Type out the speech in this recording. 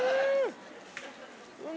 うん！